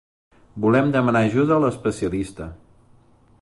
Volem demanar ajuda a l'especialista.